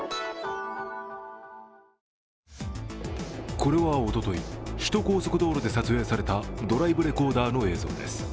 これは、おととい首都高速道路で撮影されたドライブレコーダーの映像です。